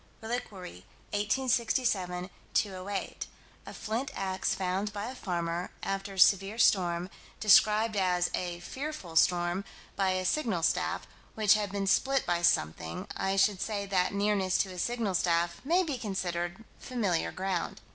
Reliquary, 1867 208: A flint ax found by a farmer, after a severe storm described as a "fearful storm" by a signal staff, which had been split by something. I should say that nearness to a signal staff may be considered familiar ground.